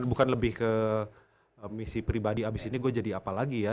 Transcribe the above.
bukan lebih ke misi pribadi abis ini gue jadi apa lagi ya